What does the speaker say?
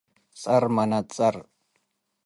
ጸር መነጸር።